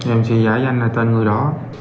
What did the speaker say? em sẽ giải danh là tên người đó